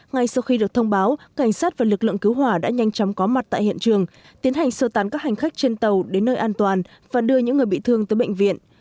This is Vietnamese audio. ngay sau khi được thông báo cảnh sát và lực lượng cứu hỏa đã nhanh chóng có mặt tại hiện trường tiến hành sơ tán các hành khách trên tàu đến nơi an toàn và đưa những người bị thương tới bệnh viện